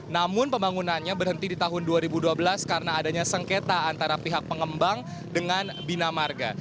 namun pembangunannya berhenti di tahun dua ribu dua belas karena adanya sengketa antara pihak pengembang dengan bina marga